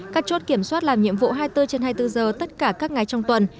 các chốt kiểm soát làm nhiệm vụ hai mươi bốn trên hai mươi bốn giờ tất cả các ngày trong tuần